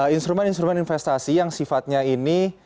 instrumen instrumen investasi yang sifatnya ini